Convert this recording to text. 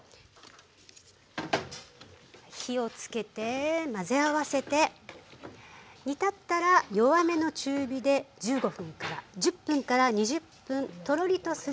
火をつけて混ぜ合わせて煮たったら弱めの中火で１５分から１０分から２０分トロリとするまで。